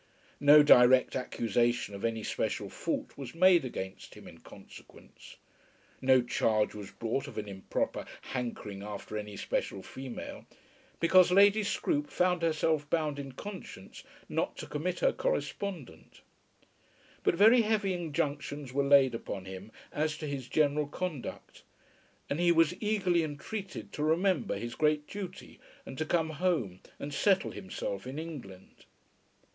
No direct accusation of any special fault was made against him in consequence. No charge was brought of an improper hankering after any special female, because Lady Scroope found herself bound in conscience not to commit her correspondent; but very heavy injunctions were laid upon him as to his general conduct, and he was eagerly entreated to remember his great duty and to come home and settle himself in England.